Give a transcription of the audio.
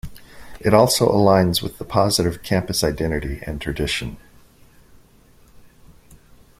It also aligns with the positive campus identity and tradition.